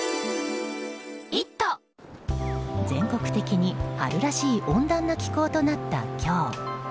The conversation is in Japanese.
全国的に春らしい温暖な気候となった今日。